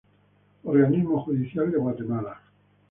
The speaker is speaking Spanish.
Organismo Judicial de Guatemala